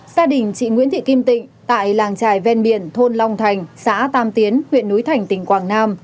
gia đình chị nguyễn thị kim tịnh tại làng trài ven biển thôn long thành xã tam tiến huyện núi thành tỉnh quảng nam